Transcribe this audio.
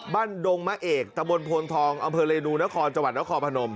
ดงมะเอกตะบนโพนทองอำเภอเรนูนครจังหวัดนครพนม